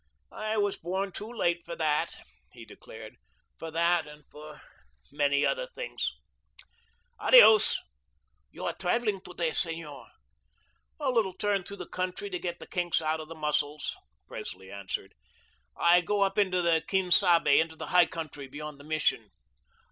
"I was born too late for that," he declared, "for that, and for many other things. Adios." "You are travelling to day, senor?" "A little turn through the country, to get the kinks out of the muscles," Presley answered. "I go up into the Quien Sabe, into the high country beyond the Mission."